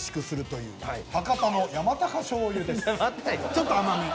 ちょっと甘め。